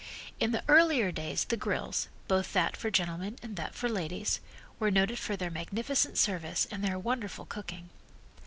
In the earlier days the grills, both that for gentlemen and that for ladies, were noted for their magnificent service and their wonderful cooking.